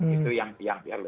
itu yang diharuskan